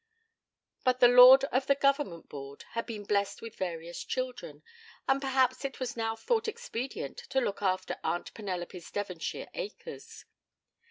But the Lord of the Government board had been blessed with various children, and perhaps it was now thought expedient to look after Aunt Penelope's Devonshire acres.